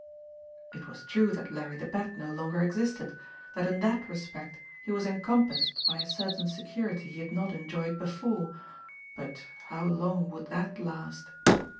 It was true that Larry the Bat no longer existed, that in that respect he was encompassed by a certain security he had not enjoyed before, but how long would that last?